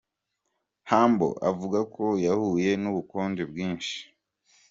Humble avuga ko yahuye n’ubukonje bwinshi.